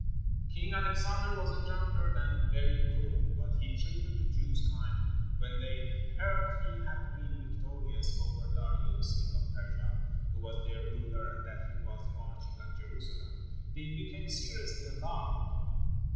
King Alexander was a drunkard and very cruel, but he treated the Jews kindly. When they heard he had been victorious over Darius, king of Persia, who was their ruler, and that he was marching on Jerusalem, they became seriously alarmed.